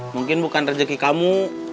mungkin bukan rejeki kamu